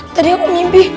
tadi aku mimpi